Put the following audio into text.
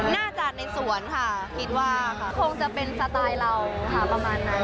น่าจะในสวนค่ะคิดว่าคงจะเป็นสไตล์เราค่ะประมาณนั้น